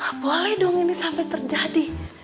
ah boleh dong ini sampai terjadi